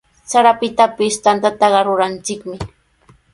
Sarapitapis tantaqa ruranchikmi.